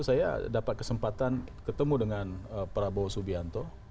saya dapat kesempatan ketemu dengan prabowo subianto